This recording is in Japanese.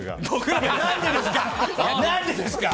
何でですか！